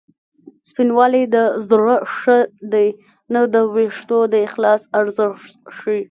سپینوالی د زړه ښه دی نه د وېښتو د اخلاص ارزښت ښيي